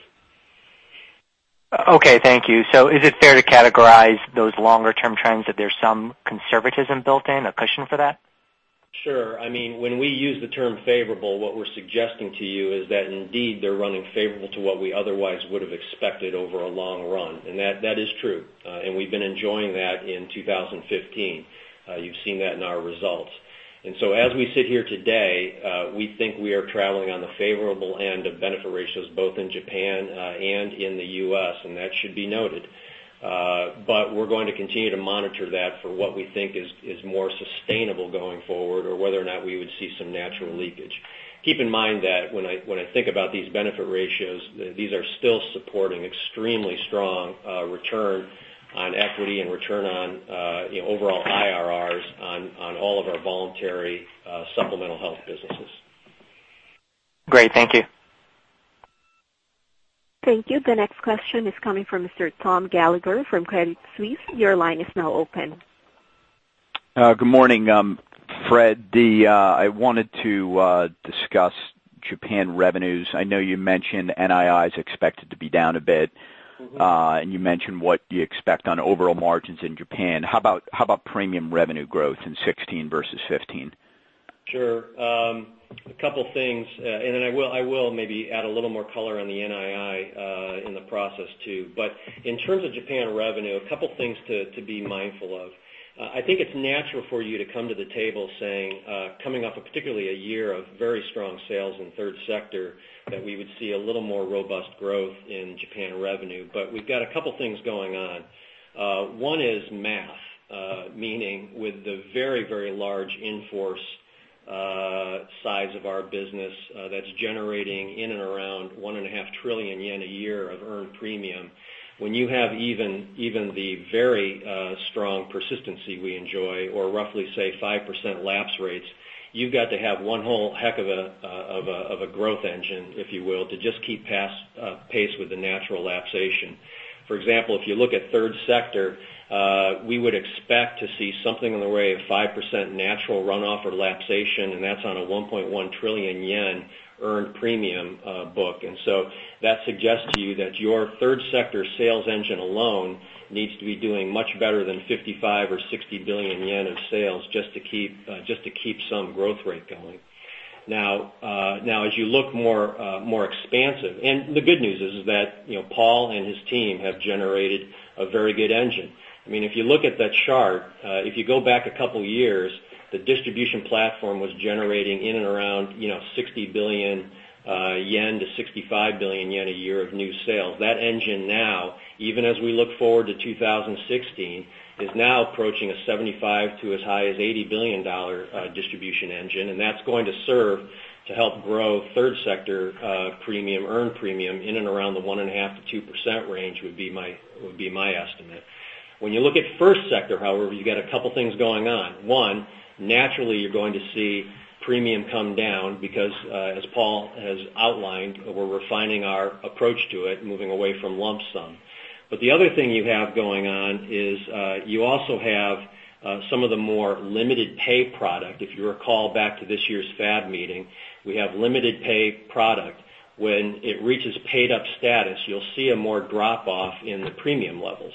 Okay, thank you. Is it fair to categorize those longer-term trends that there's some conservatism built in, a cushion for that? Sure. When we use the term favorable, what we're suggesting to you is that indeed they're running favorable to what we otherwise would have expected over a long run. That is true. We've been enjoying that in 2015. You've seen that in our results. As we sit here today, we think we are traveling on the favorable end of benefit ratios, both in Japan and in the U.S., and that should be noted. We're going to continue to monitor that for what we think is more sustainable going forward, or whether or not we would see some natural leakage. Keep in mind that when I think about these benefit ratios, these are still supporting extremely strong return on equity and return on overall IRR on all of our voluntary supplemental health businesses. Great. Thank you. Thank you. The next question is coming from Mr. Thomas Gallagher from Credit Suisse. Your line is now open. Good morning, Fred. I wanted to discuss Japan revenues. I know you mentioned NII is expected to be down a bit. You mentioned what you expect on overall margins in Japan. How about premium revenue growth in 2016 versus 2015? Sure. A couple things, and then I will maybe add a little more color on the NII in the process too. In terms of Japan revenue, a couple things to be mindful of. I think it's natural for you to come to the table saying, coming off a particularly a year of very strong sales in the third sector, that we would see a little more robust growth in Japan revenue. We've got a couple things going on. One is math, meaning with the very, very large in-force size of our business that's generating in and around 1.5 trillion yen a year of earned premium. When you have even the very strong persistency we enjoy, or roughly say 5% lapse rates, you've got to have one whole heck of a growth engine, if you will, to just keep pace with the natural lapsation. For example, if you look at third sector, we would expect to see something in the way of 5% natural runoff or lapsation. That's on a 1.1 trillion yen earned premium book. That suggests to you that your third sector sales engine alone needs to be doing much better than 55 billion JPY or 60 billion yen in sales just to keep some growth rate going. Now, as you look more expansive, the good news is that Paul and his team have generated a very good engine. If you look at that chart, if you go back a couple years, the distribution platform was generating in and around 60 billion yen to 65 billion yen a year of new sales. That engine now, even as we look forward to 2016, is now approaching a 75 billion to as high as JPY 80 billion distribution engine. That's going to serve to help grow third sector earned premium in and around the 1.5%-2% range, would be my estimate. When you look at first sector, however, you got a couple things going on. One, naturally, you're going to see premium come down because, as Paul has outlined, we're refining our approach to it, moving away from lump sum. The other thing you have going on is, you also have some of the more limited pay product. If you recall back to this year's FAB meeting, we have limited pay product. When it reaches paid-up status, you'll see a more drop-off in the premium levels.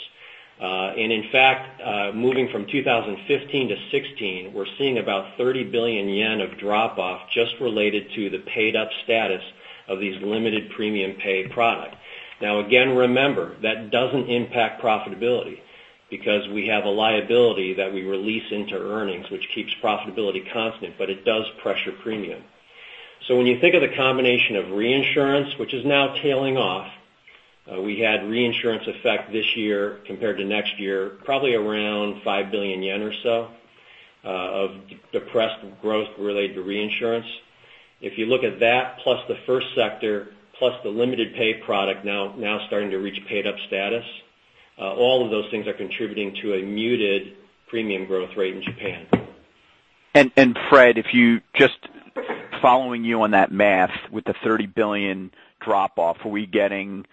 In fact, moving from 2015 to 2016, we're seeing about 30 billion yen of drop-off just related to the paid-up status of these limited premium pay product. Now, again, remember, that doesn't impact profitability because we have a liability that we release into earnings, which keeps profitability constant, but it does pressure premium. When you think of the combination of reinsurance, which is now tailing off, we had reinsurance effect this year compared to next year, probably around 5 billion yen or so of depressed growth related to reinsurance. If you look at that plus the first sector, plus the limited pay product now starting to reach paid-up status, all of those things are contributing to a muted premium growth rate in Japan. Fred, just following you on that math with the 30 billion JPY drop-off, are we getting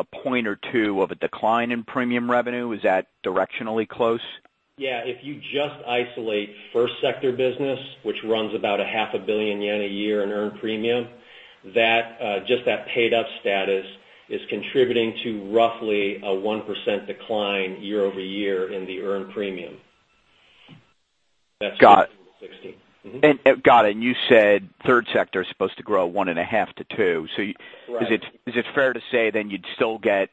a point or two of a decline in premium revenue? Is that directionally close? Yeah. If you just isolate first sector business, which runs about a half a billion yen a year in earned premium. That just that paid up status is contributing to roughly a 1% decline year-over-year in the earned premium. Got it. That's 2016. Got it. You said third sector is supposed to grow 1.5%-2%. Is it fair to say then you'd still get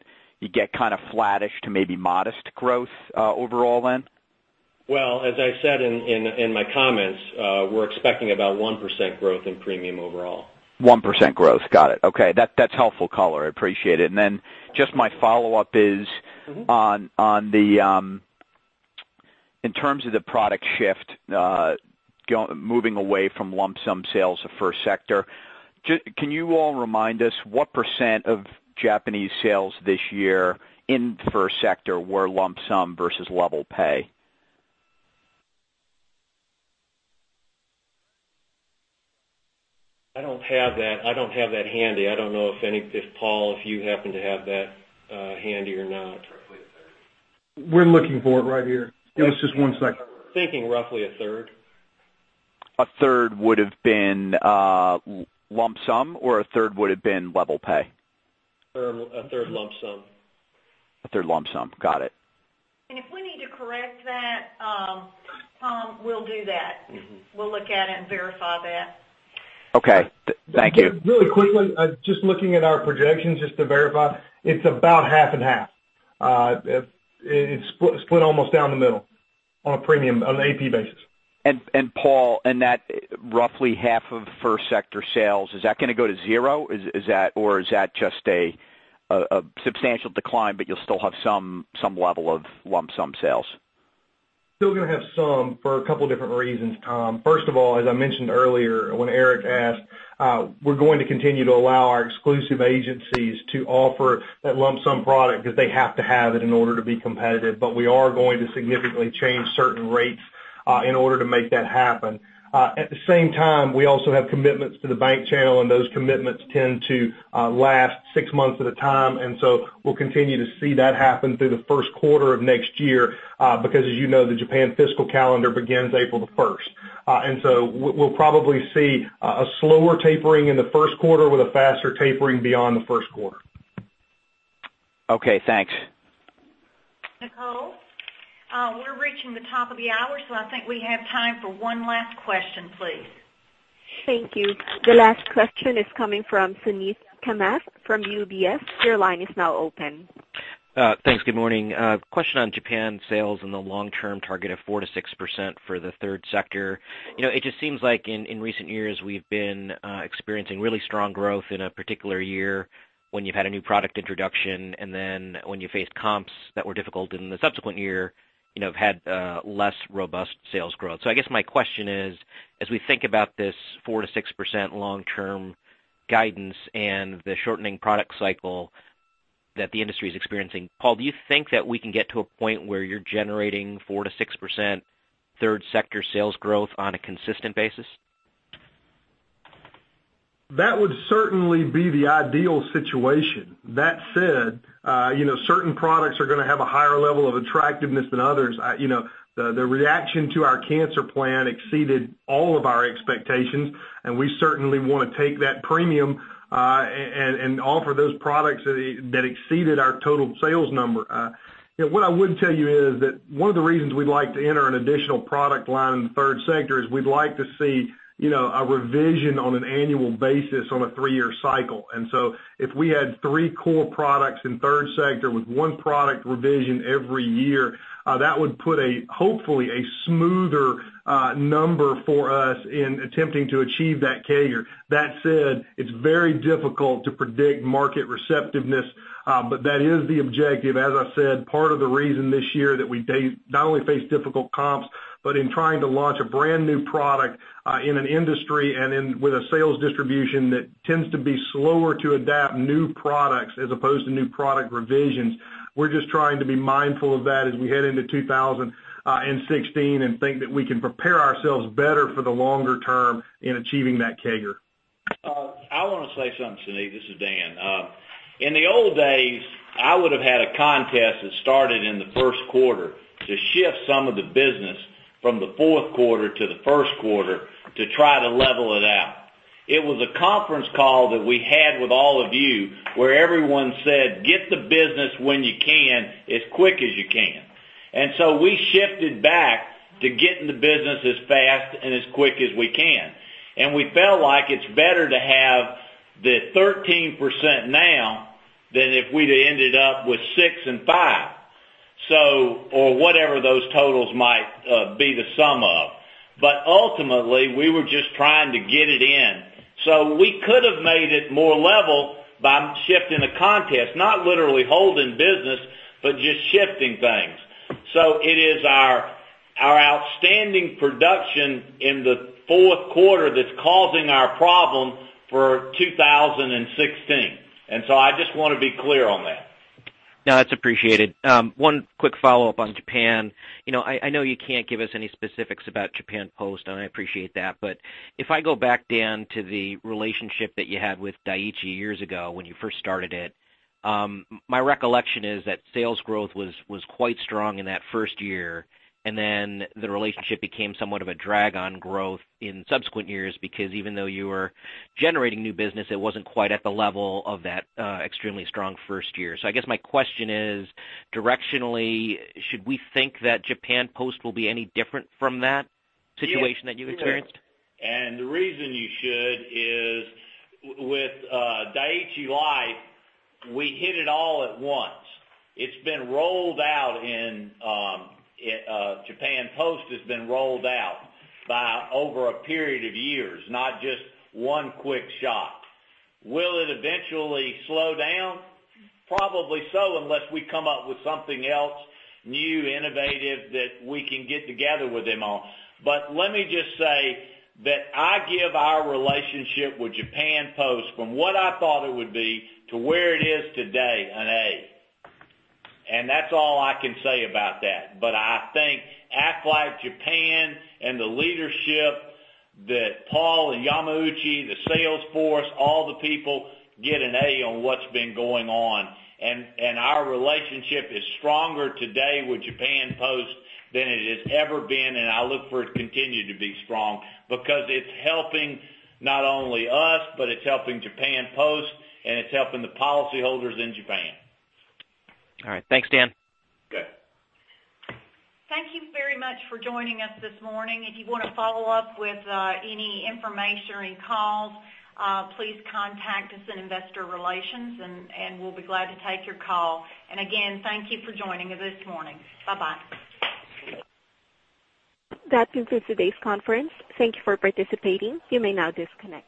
kind of flattish to maybe modest growth overall then? Well, as I said in my comments, we're expecting about 1% growth in premium overall. 1% growth. Got it. Okay. That's helpful color. I appreciate it. Just my follow-up is. In terms of the product shift, moving away from lump sum sales of first sector, can you all remind us what % of Japanese sales this year in first sector were lump sum versus level pay? I don't have that handy. I don't know, Paul, if you happen to have that handy or not. We're looking for it right here. Give us just one second. Thinking roughly a third. A third would've been lump sum or a third would've been level pay? A third lump sum. A third lump sum. Got it. If we need to correct that, Tom, we'll do that. We'll look at it and verify that. Okay. Thank you. Really quickly, just looking at our projections just to verify, it's about half and half. It's split almost down the middle on a premium, on an AP basis. Paul, and that roughly half of first sector sales, is that going to go to zero? Or is that just a substantial decline, but you'll still have some level of lump sum sales? Still going to have some for a couple of different reasons, Tom. First of all, as I mentioned earlier when Eric asked, we're going to continue to allow our exclusive agencies to offer that lump sum product because they have to have it in order to be competitive. We are going to significantly change certain rates, in order to make that happen. At the same time, we also have commitments to the bank channel, those commitments tend to last six months at a time. We'll continue to see that happen through the first quarter of next year, because as you know, the Japan fiscal calendar begins April the first. We'll probably see a slower tapering in the first quarter with a faster tapering beyond the first quarter. Okay, thanks. Nicole? We're reaching the top of the hour, I think we have time for one last question, please. Thank you. The last question is coming from Suneet Kamath from UBS. Your line is now open. Thanks. Good morning. Question on Japan sales and the long-term target of 4%-6% for the third sector. It just seems like in recent years we've been experiencing really strong growth in a particular year when you've had a new product introduction, and then when you faced comps that were difficult in the subsequent year, have had less robust sales growth. I guess my question is, as we think about this 4%-6% long-term guidance and the shortening product cycle that the industry is experiencing, Paul, do you think that we can get to a point where you're generating 4%-6% third sector sales growth on a consistent basis? That would certainly be the ideal situation. That said, certain products are going to have a higher level of attractiveness than others. The reaction to our cancer plan exceeded all of our expectations, and we certainly want to take that premium, and offer those products that exceeded our total sales number. What I would tell you is that one of the reasons we'd like to enter an additional product line in the third sector is we'd like to see a revision on an annual basis on a three-year cycle. If we had three core products in third sector with one product revision every year, that would put hopefully a smoother number for us in attempting to achieve that CAGR. That said, it's very difficult to predict market receptiveness, but that is the objective. As I said, part of the reason this year that we not only face difficult comps, but in trying to launch a brand-new product, in an industry and with a sales distribution that tends to be slower to adapt new products as opposed to new product revisions, we're just trying to be mindful of that as we head into 2016 and think that we can prepare ourselves better for the longer term in achieving that CAGR. I want to say something, Suneet. This is Dan. In the old days, I would have had a contest that started in the first quarter to shift some of the business from the fourth quarter to the first quarter to try to level it out. It was a conference call that we had with all of you where everyone said, "Get the business when you can, as quick as you can." We shifted back to getting the business as fast and as quick as we can. We felt like it's better to have the 13% now than if we'd have ended up with six and five, or whatever those totals might be the sum of. Ultimately, we were just trying to get it in. We could have made it more level by shifting the contest, not literally holding business, but just shifting things. It is our outstanding production in the fourth quarter that's causing our problem for 2016. I just want to be clear on that. No, that's appreciated. One quick follow-up on Japan. I know you can't give us any specifics about Japan Post, and I appreciate that. If I go back, Dan, to the relationship that you had with Dai-ichi years ago when you first started it, my recollection is that sales growth was quite strong in that first year, and then the relationship became somewhat of a drag on growth in subsequent years because even though you were generating new business, it wasn't quite at the level of that extremely strong first year. I guess my question is, directionally, should we think that Japan Post will be any different from that situation that you experienced? The reason you should is with Dai-ichi Life, we hit it all at once. It's been rolled out in, Japan Post has been rolled out by over a period of years, not just one quick shot. Will it eventually slow down? Probably so, unless we come up with something else new, innovative that we can get together with them on. Let me just say that I give our relationship with Japan Post from what I thought it would be to where it is today, an A. That's all I can say about that. I think Aflac Japan and the leadership that Paul and Yamauchi, the sales force, all the people get an A on what's been going on. Our relationship is stronger today with Japan Post than it has ever been, and I look for it to continue to be strong because it's helping not only us, but it's helping Japan Post, and it's helping the policyholders in Japan. All right. Thanks, Dan. Okay. Thank you very much for joining us this morning. If you want to follow up with any information or any calls, please contact us in investor relations, and we'll be glad to take your call. Again, thank you for joining this morning. Bye-bye. That concludes today's conference. Thank you for participating. You may now disconnect.